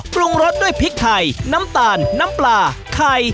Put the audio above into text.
ปรุงรสด้วยพริกไทยน้ำตาลน้ำปลาไข่